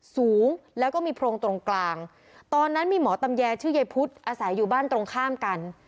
สูงแล้วก็มีโพรงตรงกลางตอนนั้นมีหมอตำแยชื่อยายพุธอาศัยอยู่บ้านตรงข้ามกัน